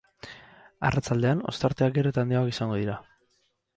Arratsaldean, ostarteak gero eta handiagoak izango dira.